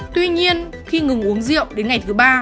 tuy nhiên khi ngừng uống rượu đến ngày thứ ba